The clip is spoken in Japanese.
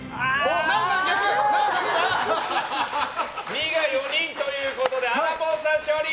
２が４人ということであらぽんさん、勝利！